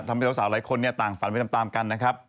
ทำให้สาวหลายคนนี้ต่างฝันประหลบตามกันนะครับ